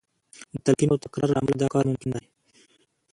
د تلقین او تکرار له امله دا کار ممکن دی